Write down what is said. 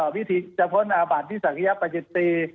พิธีจะพ้นอาบัติที่ศักยประจิตี